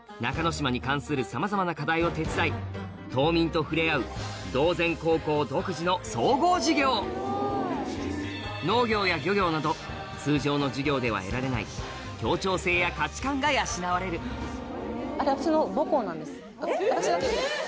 島に関するさまざまな課題を手伝い島民と触れ合う島前高校独自の総合授業農業や漁業など通常の授業では得られない協調性や価値観が養われるえっ？